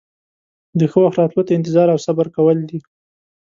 د ښه وخت راتلو ته انتظار او صبر کول دي.